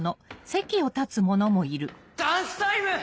ダンスタイム！